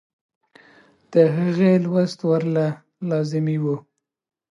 د هغې لوست ورله لازمي وۀ -